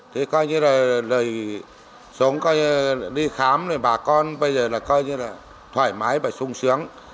thì coi như là lời sống đi khám bà con bây giờ là coi như là thoải mái và sung sướng